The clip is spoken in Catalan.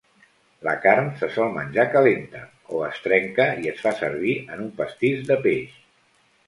La carn se sol menjar calenta, o es trenca i es fa servir en un pastís de peix.